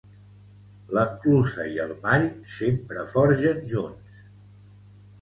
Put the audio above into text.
L'enclusa i el mall sempre forgen junts.